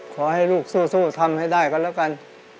ขอให้ลูกสู้ทำให้ได้กันแล้วกัน